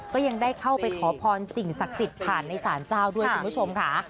ก็ยังได้เข้าไปขอพรสิ่งศักดิ์สิทธิ์ผ่านในศาลเจ้าด้วยคุณผู้ชมค่ะ